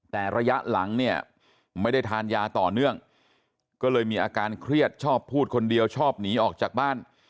แต่ระยะหลังเนี่ยไม่ได้ทานยาต่อเนื่องก็เลยมีอาการเครียดชอบพูดคนเดียวชอบหนีออกจากบ้าน